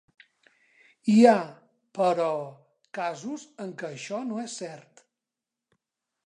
Hi ha, però, casos en què això no és cert.